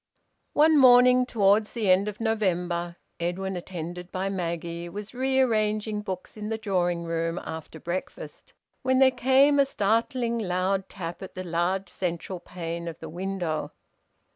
One morning towards the end of November Edwin, attended by Maggie, was rearranging books in the drawing room after breakfast, when there came a startling loud tap at the large central pane of the window.